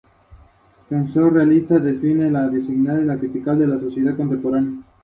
La audición es un proceso complejo.